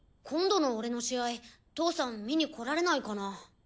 今度の俺の試合父さん見にこられないかな？